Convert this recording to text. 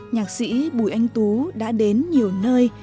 nhạc sĩ bùi anh tú đã đến nhiều nơi